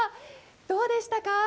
どうでしたか？